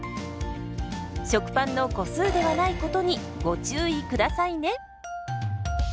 食パンの個数ではないことにご注意下さいね。